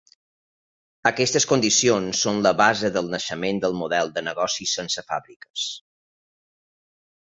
Aquestes condicions són la base del naixement del model de negoci sense fàbriques.